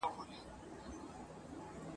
ښيي,